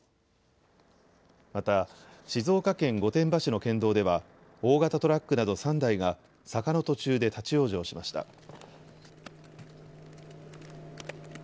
また、静岡県御殿場市の県道では大型トラックなど３台が坂の途中で立往生しました。